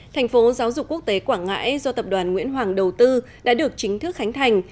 thành phố giáo dục quốc tế quảng ngãi do tập đoàn nguyễn hoàng đầu tư đã được chính thức khánh thành